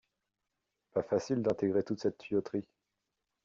Pas facile d'intégrer toute cette tuyauterie.